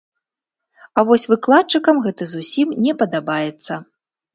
А вось выкладчыкам гэта зусім не падабаецца.